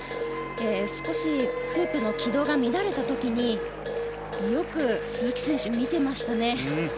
少しフープの軌道が乱れた時によく鈴木選手、見てましたね。